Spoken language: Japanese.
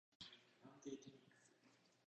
パンケーキミックス